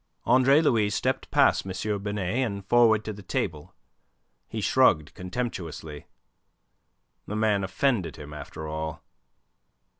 Andre Louis stepped past M. Binet and forward to the table. He shrugged contemptuously. The man offended him, after all.